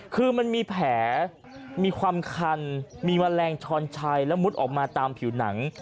คือมันมีแผลมีความคันมีแมลงช้อนชัยแล้วมุดออกมาตามผิวหนัง